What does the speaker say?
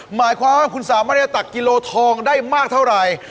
หมายความว่าคุณสามารถจะตักกิโลทองได้มากเท่าไหร่